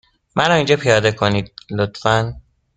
مرا اینجا پیاده کنید، لطفا.